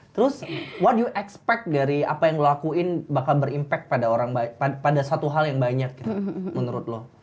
terus what you expect dari apa yang lo lakuin bakal berimpact pada satu hal yang banyak gitu menurut lo